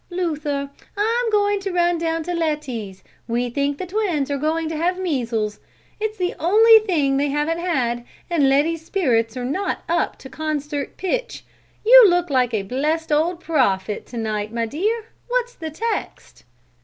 "Luther, I'm going to run down to Letty's. We think the twins are going to have measles; it's the only thing they haven't had, and Letty's spirits are not up to concert pitch. You look like a blessed old prophet to night, my dear! What's the text?"